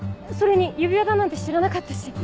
それに指輪だなんて知らなかったし。